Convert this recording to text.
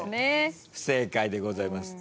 不正解でございます。